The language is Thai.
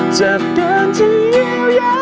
จัดการที่เยี่ยวยัง